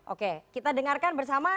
oke kita dengarkan bersama